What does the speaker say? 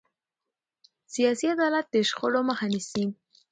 سیاسي عدالت د شخړو مخه نیسي